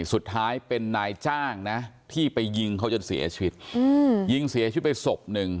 สุดท้ายเป็นนายจ้างนะที่ไปยิงเขาจนเสียชีวิตอืมยิงเสียชีวิตไปศพหนึ่ง